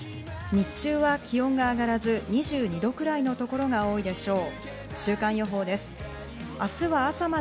日中は気温が上がらず２２度くらいのところが多いでしょう。